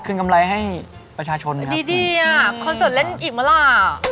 คืนกำไรให้ประชาชนนะครับดีคอนเซิร์ตเล่นอีกเมื่อล่ะ